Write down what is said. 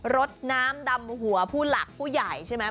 รถน้ำดำหัวผู้หลักผู้ใหญ่ใช่ไหม